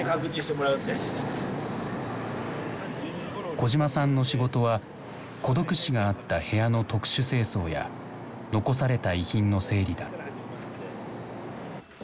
小島さんの仕事は孤独死があった部屋の特殊清掃や残された遺品の整理だ。